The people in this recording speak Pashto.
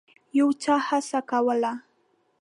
یو چا هڅه کوله.